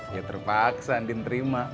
dia terpaksa ndin terima